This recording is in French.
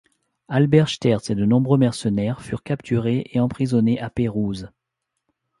Albert Sterz et de nombreux mercenaires furent capturés et emprisonnés à Pérouse.